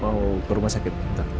mau ke rumah sakit